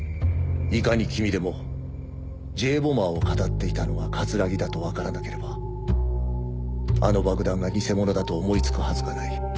いかに君でもＪ・ボマーを騙っていたのが桂木だとわからなければあの爆弾が偽物だと思いつくはずがない。